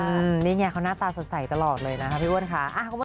นี่ไงเขาหน้าตาสดใสตลอดเลยนะคะพี่อ้วนค่ะ